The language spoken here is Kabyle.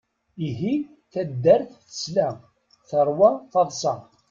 Ihi taddart tesla, teṛwa taḍsa.